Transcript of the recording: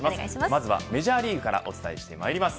まずはメジャーリーグからお伝えしてまいります。